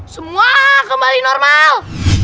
semua kembali normal